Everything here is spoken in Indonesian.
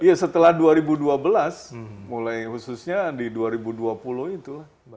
iya setelah dua ribu dua belas mulai khususnya di dua ribu dua puluh itu